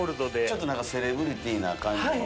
ちょっと何かセレブリティーな感じの。